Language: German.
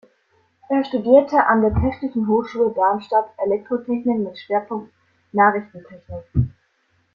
Er studierte an der Technischen Hochschule Darmstadt Elektrotechnik mit Schwerpunkt Nachrichtentechnik.